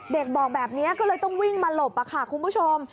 เด็กบอกแบบนี้ก็เลยต้องวิ่งมาหลบค่ะคุณผู้ชม